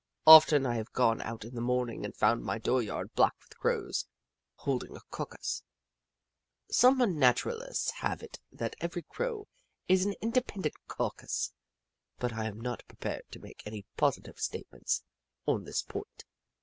Often I have gfone out in the morninof and found my dooryard black with Crows holding a caucus. Some Unnaturalists have it that every Crow is an independent cau cus, but I am not prepared to make any positive statements on this point.